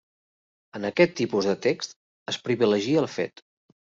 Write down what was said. En aquest tipus de text es privilegia el fet.